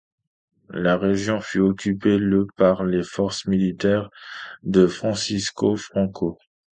La région fut occupée le par les forces militaires de Francisco Franco.